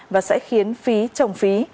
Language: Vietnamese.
và sẽ khiến phí trồng phí